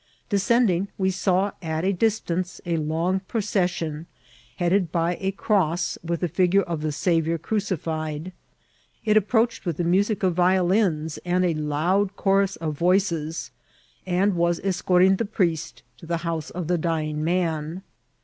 Descending, we saw at a distance a long pro cession, headed by a cross with the figure of the Sa viour crucified. It approached with the music of vio lins and a loud chorus of voices, and was escorting the priest to the house of the dying man.